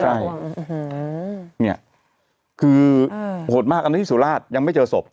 ใช่เนี่ยคือโหดมากอันนี้ที่สุราชยังไม่เจอศพ